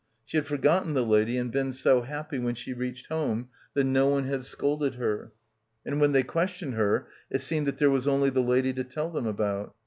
She had forgotten the lady and been so happy when she reached home that no one had scolded her. And when they questioned her it seemed that there was only the lady to tell them about.